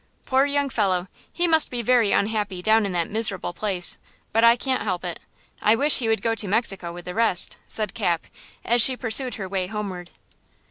"Poor young fellow! He must be very unhappy down in that miserable place; but I can't help it. I wish he would go to Mexico with the rest," said Cap, as she pursued her way homeward.